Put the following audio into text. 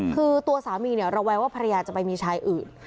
คือตัวสามีเนี่ยระแวงว่าภรรยาจะไปมีชายอื่น